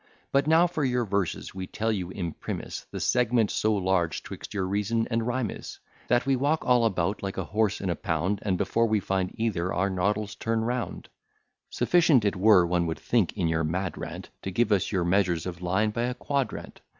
But now for your verses; we tell you, imprimis, The segment so large 'twixt your reason and rhyme is, That we walk all about, like a horse in a pound, And, before we find either, our noddles turn round. Sufficient it were, one would think, in your mad rant, To give us your measures of line by a quadrant.